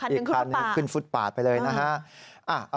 อีกคันนี้ขึ้นฟุตปาดไปเลยนะฮะ